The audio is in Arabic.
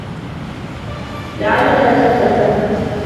لعلك أسأت الفهم.